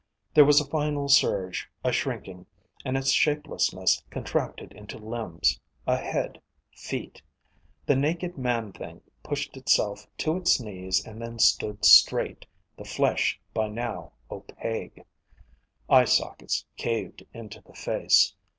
There was a final surge, a shrinking, and its shapelessness contracted into limbs, a head, feet. The naked man thing pushed itself to its knees and then stood straight, the flesh by now opaque. Eye sockets caved into the face.